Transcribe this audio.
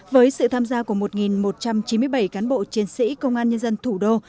với sự tham gia của một một trăm chín mươi bảy cán bộ chiến sĩ công an nhân dân thủ đô